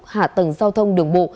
hạ tầng giao thông đường bộ